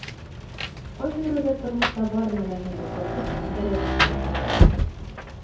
Ҡайһы берәүҙәр тормошта бар нәмәһен юғалтып, берәҙәк хәленә төшә.